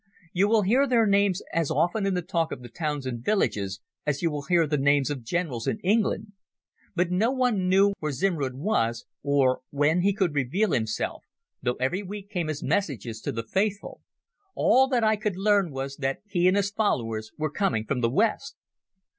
You will hear their names as often in the talk of the towns and villages as you will hear the names of generals in England. But no one knew where Zimrud was or when he would reveal himself, though every week came his messages to the faithful. All that I could learn was that he and his followers were coming from the West.